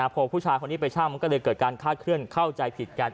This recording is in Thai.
พอผู้ชายคนนี้ไปเช่ามันก็เลยเกิดการคาดเคลื่อนเข้าใจผิดกัน